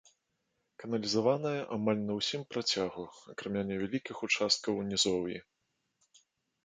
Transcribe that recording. Каналізаваная амаль на ўсім працягу, акрамя невялікіх участкаў у нізоўі.